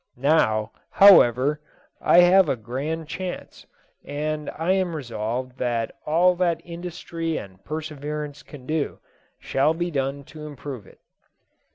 Now, however, I have a grand chance, and I am resolved that all that industry and perseverance can do shall be done to improve it.